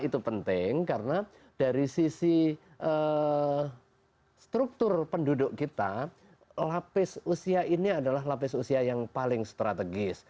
itu penting karena dari sisi struktur penduduk kita lapis usia ini adalah lapis usia yang paling strategis